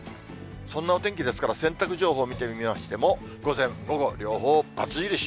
そんなお天気ですから、洗濯情報を見てみましても、午前、午後、両方バツ印。